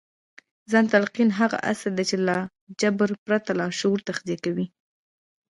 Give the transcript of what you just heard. ځان ته تلقين هغه اصل دی چې له جبر پرته لاشعور تغذيه کوي.